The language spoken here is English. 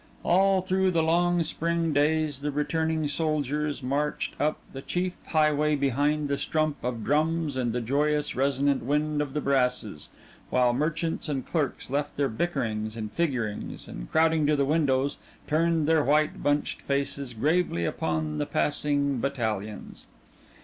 All through the long spring days the returning soldiers marched up the chief highway behind the strump of drums and the joyous, resonant wind of the brasses, while merchants and clerks left their bickerings and figurings and, crowding to the windows, turned their white bunched faces gravely upon the passing battalions.